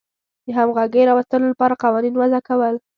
د همغږۍ راوستلو لپاره قوانین وضع کول.